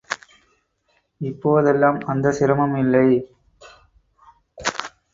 இப்போதெல்லாம் அந்த சிரமம் இல்லை.